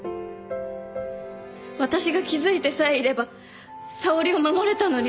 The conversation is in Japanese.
私が気づいてさえいれば沙織を守れたのに。